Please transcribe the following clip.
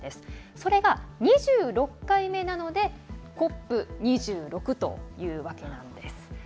それが、２６回目なのでＣＯＰ２６というわけなんです。